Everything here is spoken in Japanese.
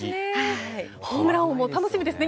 ホームラン王も楽しみですね。